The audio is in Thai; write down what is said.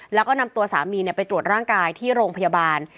แล้วก็นำตัวสามีไปตรวจร่างกายที่โรงพยาบาล